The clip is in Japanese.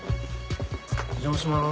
お邪魔します。